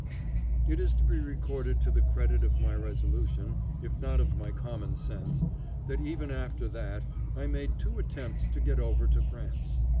It is to be recorded to the credit of my resolution, if not of my common sense, that even after that I made two attempts to get over to France.